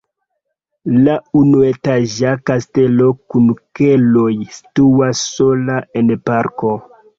La unuetaĝa kastelo kun keloj situas sola en parko.